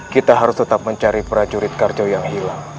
kita harus tetap mencari prajurit karjo yang hilang